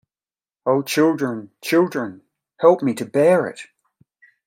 O children, children, help me to bear it!